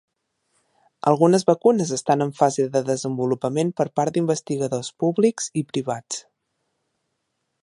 Algunes vacunes estan en fase de desenvolupament per part d'investigadors públics i privats.